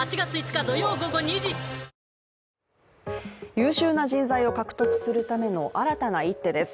優秀な人材を獲得するための新たな一手です。